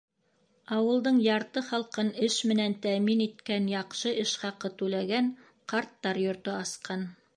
Ауылдың ярты халҡын эш менән тәьмин иткән, яҡшы эш хаҡы түләгән, «Ҡарттар йорто» асҡан